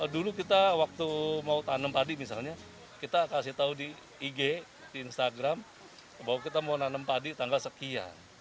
dulu kita waktu mau tanam padi misalnya kita kasih tahu di ig di instagram bahwa kita mau nanam padi tanggal sekian